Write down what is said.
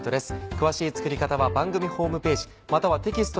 詳しい作り方は番組ホームページまたはテキスト